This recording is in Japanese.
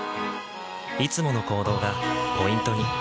いつもの行動がポイントに。